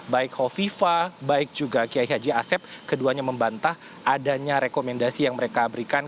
baik kofifa baik juga kiai haji asep keduanya membantah adanya rekomendasi yang mereka berikan